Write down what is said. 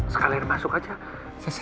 sekalian masuk aja